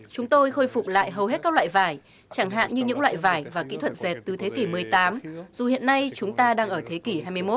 chúng tôi khôi phục lại hầu hết các loại vải chẳng hạn như những loại vải và kỹ thuật dệt từ thế kỷ một mươi tám dù hiện nay chúng ta đang ở thế kỷ hai mươi một